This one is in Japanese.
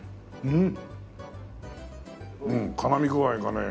うん。